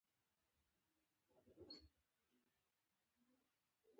زما په وینوکې نوی ژوند روان کړ